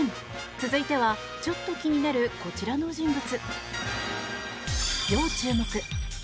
続いてはちょっと気になるこちらの人物。